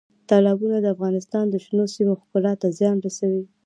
تالابونه د افغانستان د شنو سیمو ښکلا ته زیان رسوي.